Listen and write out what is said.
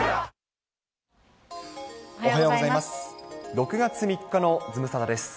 ６月３日のズムサタです。